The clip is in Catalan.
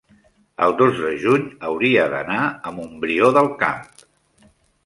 el dos de juny hauria d'anar a Montbrió del Camp.